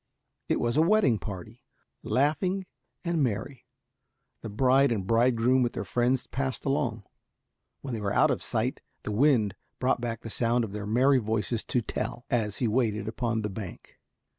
It was a wedding party. Laughing and merry, the bride and bridegroom with their friends passed along. When they were out of sight the wind brought back the sound of their merry voices to Tell, as he waited upon the bank.